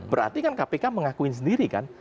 berarti kan kpk mengakui sendiri kan